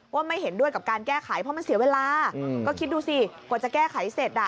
ไม่เห็นด้วยกับการแก้ไขเพราะมันเสียเวลาก็คิดดูสิกว่าจะแก้ไขเสร็จอ่ะ